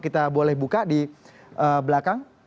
kita boleh buka di belakang